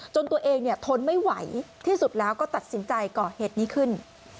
ตัวเองทนไม่ไหวที่สุดแล้วก็ตัดสินใจก่อเหตุนี้ขึ้น